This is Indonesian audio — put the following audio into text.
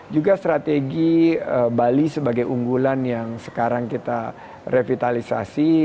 juga strategi bali sebagai unggulan yang sekarang kita revitalisasi